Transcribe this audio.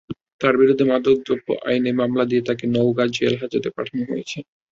তাঁর বিরুদ্ধে মাদকদ্রব্য আইনে মামলা দিয়ে তাঁকে নওগাঁ জেলহাজতে পাঠানো হয়েছে।